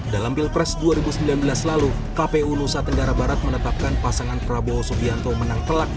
dalam pilpres dua ribu sembilan belas lalu kpu nusa tenggara barat menetapkan pasangan prabowo subianto menang telak